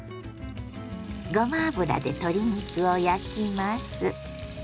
ごま油で鶏肉を焼きます。